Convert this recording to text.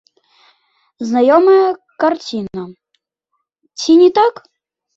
Знаёмая карціна, ці не так?